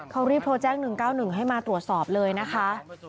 เขารีบโทรแจ้ง๑๙๑ให้มาตรวจสอบเลยนะคะ